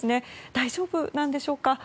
大丈夫なんでしょうか。